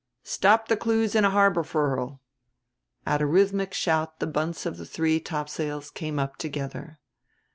stow the clews in a harbor furl." At a rhythmic shout the bunts of the three topsails came up together.